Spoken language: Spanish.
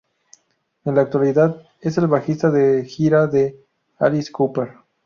En la actualidad es el bajista de gira de Alice Cooper.